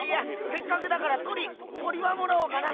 せっかくだから鳥鳥はもらおうかな。